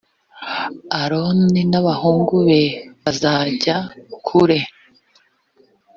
aroni n’abahungu be bazajya kure